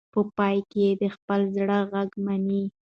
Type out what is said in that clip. په پای کې د خپل زړه غږ مني.